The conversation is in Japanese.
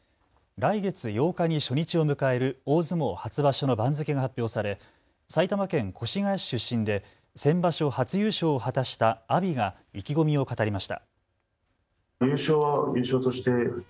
来月８日に初日を迎える大相撲初場所の番付が発表され埼玉県越谷市出身で先場所初優勝を果たした阿炎が意気込みを語りました。